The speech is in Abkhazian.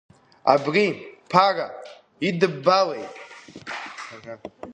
Абри, Ԥара, идыббалеи?